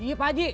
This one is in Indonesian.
iya pak ji